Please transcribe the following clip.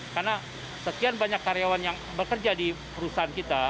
karena sekian banyak karyawan yang bekerja di perusahaan kita